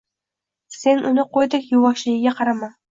Sen uni qo`ydek yuvoshligiga qarama